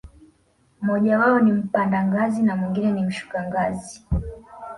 mmoja wao ni mpanda ngazi na mwingine ni mshuka ngazi.